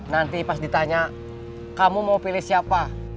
nanti pas ditanya kamu mau pilih siapa